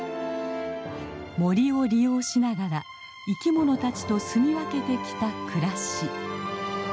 森を利用しながら生きものたちと住み分けてきた暮らし。